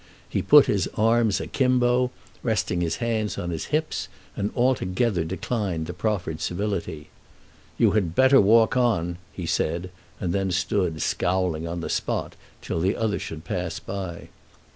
He put his arms a kimbo, resting his hands on his hips, and altogether declined the proffered civility. "You had better walk on," he said, and then stood, scowling, on the spot till the other should pass by.